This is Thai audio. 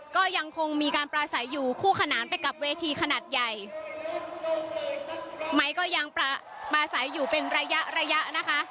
ก็ยังคงมีการปราศัยอยู่คู่ขนานไปกับเวทีขนาดใหญ่ไม้ก็ยังประสัยอยู่เป็นระยะระยะนะคะ